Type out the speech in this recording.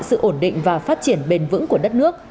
sự ổn định và phát triển bền vững của đất nước